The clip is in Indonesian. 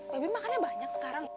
babe makannya banyak sekarang